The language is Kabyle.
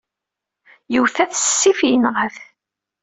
Yewta-t s ssif, yenɣa-t.